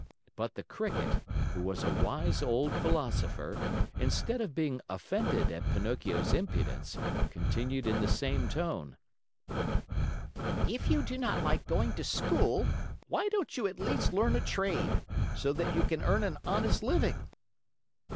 But the Cricket, who was a wise old philosopher, instead of being offended at Pinocchio's impudence, continued in the same tone: "If you do not like going to school, why don't you at least learn a trade, so that you can earn an honest living?"